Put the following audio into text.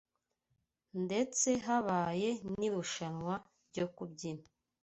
ndetse habaye n’irushanwa ryo kubyina